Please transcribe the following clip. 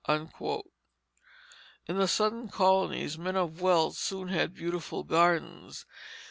In the Southern colonies men of wealth soon had beautiful gardens.